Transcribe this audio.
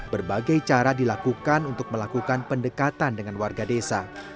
berbagai cara dilakukan untuk melakukan pendekatan dengan warga desa